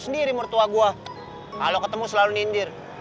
sendiri mertua gue kalau ketemu selalu nindir